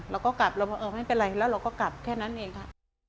เราก็กลับไม่เป็นไรแล้วเราก็กลับแค่นั้นเองค่ะ